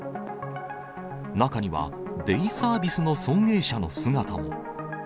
中にはデイサービスの送迎車の姿も。